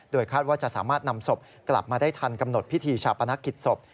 คาดว่าจะสามารถนำศพกลับมาได้ทันกำหนดพิธีชาปนกิจศพ